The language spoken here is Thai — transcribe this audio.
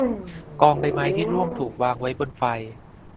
กองใบไม้ที่ร่วงถูกวางไว้บนไฟ